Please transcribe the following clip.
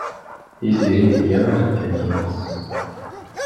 Tiziri tga axeddim-nnes.